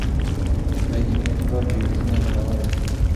دی د مینې په لار کې یو ریښتینی لاروی دی.